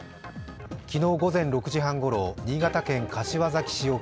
昨日午前６時半ごろ、新潟県柏崎市沖